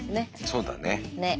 そうだね。